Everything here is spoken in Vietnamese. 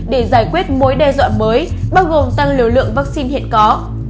để giải quyết mối đe dọa mới bao gồm tăng liều lượng vaccine hiện có